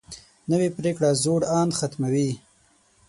نوې پریکړه زوړ اند ختموي